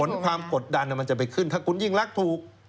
ความกดดันมันจะไปขึ้นถ้าคุณยิ่งรักถูก